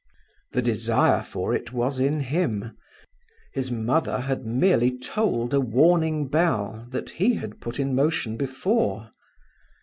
The desire for it was in him; his mother had merely tolled a warning bell that he had put in motion before.